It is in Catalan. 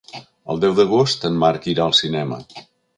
El deu d'agost en Marc irà al cinema.